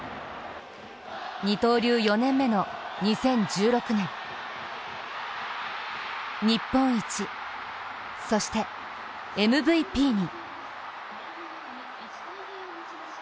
二刀流４年目の２０１６年、日本一、そしてＭＶＰに。